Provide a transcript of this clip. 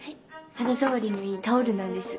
肌触りのいいタオルなんです。